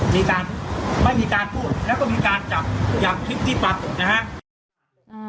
มีการไม่มีการพูดแล้วก็มีการจับอย่างคลิปที่ปรากฏนะครับ